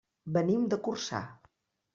Venim de Corçà.